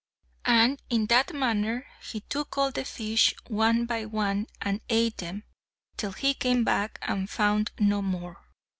And in that manner he took all the fish, one by one, and ate them, till he came back and found no more!